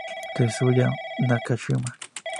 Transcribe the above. Tetsuya Nakashima